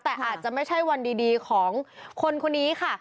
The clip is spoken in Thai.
แต่อาจจะไม่ใช่วันดีของคนคนนี้ค่ะ